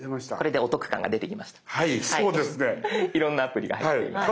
いろんなアプリが入っています。